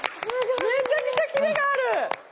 めちゃくちゃキレがある！